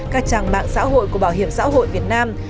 các trang mạng xã hội của bảo hiểm xã hội việt nam